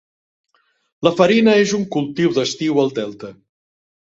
La farina és un cultiu d'estiu al delta.